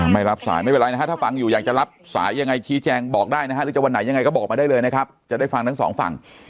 ไม่รับสายไม่เป็นไรนะฮะถ้าฟังอยู่อยากจะรับสายยังไงชี้แจงบอกได้นะฮะหรือจะวันไหนยังไงก็บอกมาได้เลยนะครับจะได้ฟังทั้งสองฝั่ง